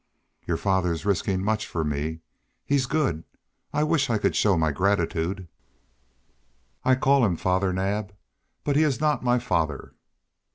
"Your father's risking much for me. He's good. I wish I could show my gratitude." "I call him Father Naab, but he is not my father."